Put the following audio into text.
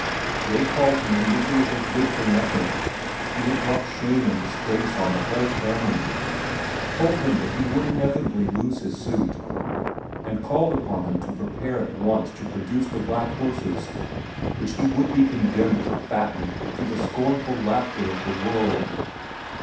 They called him a miserable good for nothing, who had brought shame and disgrace on the whole family, told him that he would inevitably lose his suit, and called upon him to prepare at once to produce the black horses, which he would be condemned to fatten to the scornful laughter of the world.